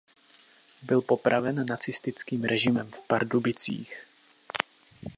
Byl popraven nacistickým režimem v Pardubicích.